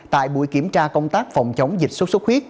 tại buổi kiểm tra công tác phòng chống dịch sốt xuất huyết